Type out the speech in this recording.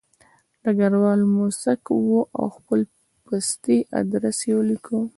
ډګروال موسک و او خپل پستي ادرس یې ولیکه